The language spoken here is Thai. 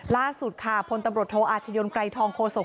ล่าสุดค่ะพลตำรวจโทอาชญนไกรทองโฆษก